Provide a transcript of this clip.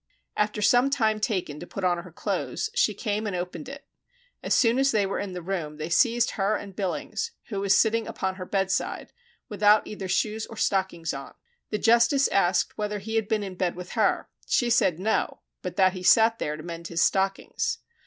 After some time taken to put on her clothes, she came and opened it. As soon as they were in the room they seized her and Billings, who was sitting upon her bedside, without either shoes or stockings on. The justice asked whether he had been in bed with her. She said no, but that he sat there to mend his stockings.